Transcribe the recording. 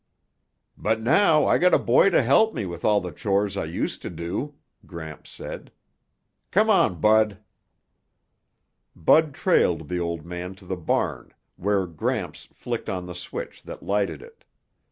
"But now I got a boy to help me with all the chores I used to do," Gramps said. "C'mon, Bud." Bud trailed the old man to the barn where Gramps flicked on the switch that lighted it.